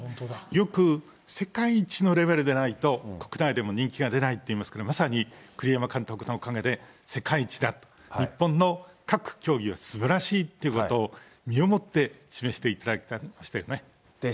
よく世界一のレベルでないと、国内でも人気が出ないっていいますけど、まさに栗山監督のおかげで世界一だと、日本の各競技はすばらしいってことを、届け。